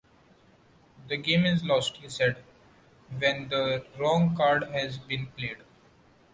The game is lost, he said, when the wrong card has been played.